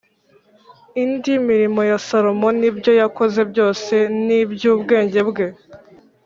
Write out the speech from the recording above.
Indi mirimo ya Salomo n’ibyo yakoze byose n’iby’ubwenge bwe